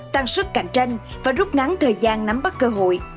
tăng sức cạnh tranh và rút ngắn thời gian nắm bắt cơ hội